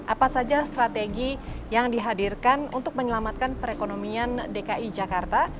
apa saja strategi yang dihadirkan untuk menyelamatkan perekonomian dki jakarta